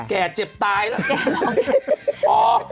แก่เจ็บตายแล้ว